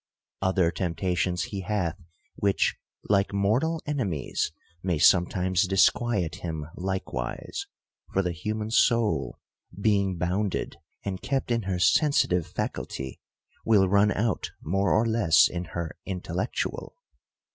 Other temptations he hath, which, like mortal enemies, may sometimes disquiet him like wise ; for the human soul, being bounded and kept in her sensitive faculty, will run out more or less in her intellectual.